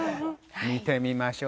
見てみましょう。